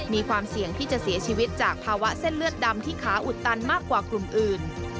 มีความเสี่ยงที่จะเสียชีวิตจากภาวะเส้นเลือดดำที่ขาอุดตันมากกว่ากลุ่มอื่น